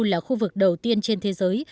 là khu vực đầu tiên trên thế giới